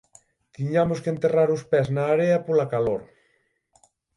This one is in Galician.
Tiñamos que enterrar os pés na area pola calor.